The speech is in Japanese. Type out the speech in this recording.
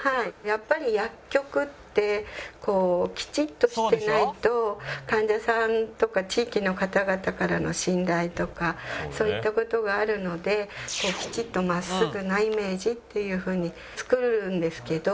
やっぱり薬局ってきちっとしていないと患者さんとか地域の方々からの信頼とかそういった事があるのできちっと真っすぐなイメージっていうふうに作るんですけど。